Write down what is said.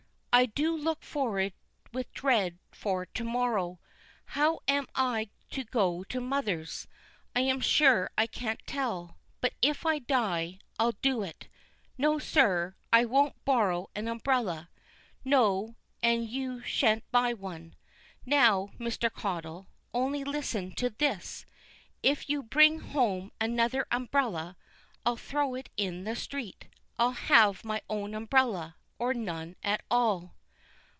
I do look forward with dread for to morrow! How I am to go to mother's I'm sure I can't tell. But if I die, I'll do it. No, sir; I won't borrow an umbrella. No; and you shan't buy one. Now, Mr. Caudle, only listen to this; if you bring home another umbrella, I'll throw it in the street. I'll have my own umbrella, or none at all.